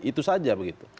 itu saja begitu